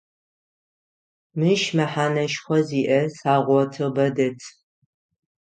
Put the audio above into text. Мыщ мэхьанэшхо зиӏэ саугъэтыбэ дэт.